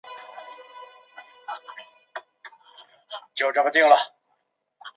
女性此行为对应的称呼是上空。